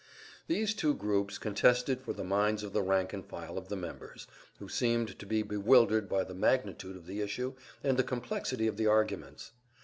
These two groups contested for the minds of the rank and file of the members, who seemed to be bewildered by the magnitude of the issue and the complexity of the arguments.